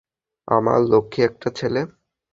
আমার লক্ষ্মী একটা ছেলে।